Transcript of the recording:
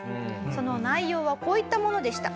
その内容はこういったものでした。